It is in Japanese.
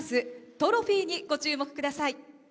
トロフィーにご注目ください。